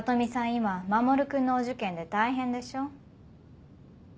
今守君のお受験で大変でしょ？